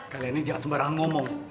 kalian jangan sembarangan ngomong